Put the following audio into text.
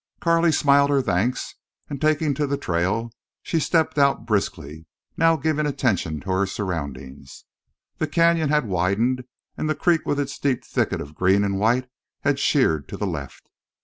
Carley smiled her thanks, and, taking to the trail, she stepped out briskly, now giving attention to her surroundings. The canyon had widened, and the creek with its deep thicket of green and white had sheered to the left.